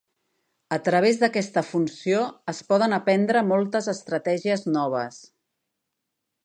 A través d'aquesta funció, es poden aprendre moltes estratègies noves.